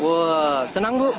wah senang bu